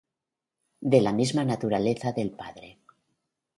de la misma naturaleza del Padre,